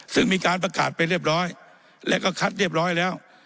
ซึ่งมีการประกาศไปเรียบร้อยแล้วก็คัดเรียบร้อยแล้ว